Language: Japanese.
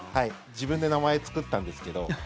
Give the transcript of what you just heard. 自分で名前、作ったんですけど。